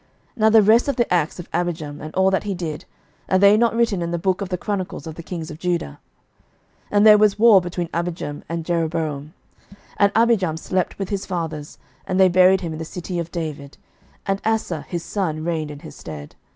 11:015:007 Now the rest of the acts of Abijam, and all that he did, are they not written in the book of the chronicles of the kings of Judah? And there was war between Abijam and Jeroboam. 11:015:008 And Abijam slept with his fathers; and they buried him in the city of David: and Asa his son reigned in his stead.